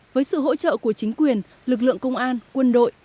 với sự hỗ trợ của chính quyền lực lượng công an quân đội